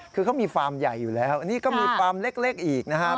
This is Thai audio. คือเขามีฟาร์มใหญ่อยู่แล้วอันนี้ก็มีฟาร์มเล็กอีกนะครับ